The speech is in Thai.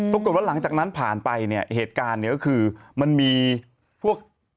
ปรากฏว่าหลังจากนั้นผ่านไปเนี่ยเหตุการณ์เนี่ยก็คือมันมีพวก